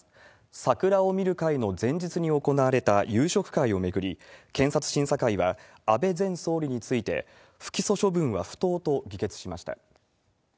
桜を見る会の前日に行われた夕食会を巡り、検察審査会は、安倍前総理について、不起訴処分は不当と議決しました。